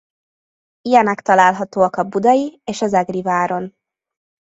Ilyenek találhatóak a budai és az egri váron.